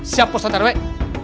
siap pos tatarwek